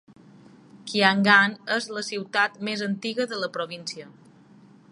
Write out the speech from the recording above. Kiangan és la ciutat més antiga de la província.